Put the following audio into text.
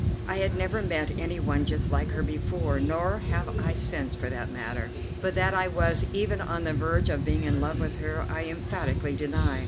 I had never met any one just like her before, nor have I since for that matter. But that I was even on the verge of being in love with her I emphatically deny.